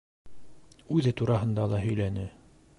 Үҙе тураһында ла һөйләне.